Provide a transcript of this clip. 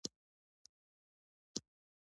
اجازه ورنه کړی.